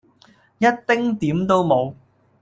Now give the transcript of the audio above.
一丁點都無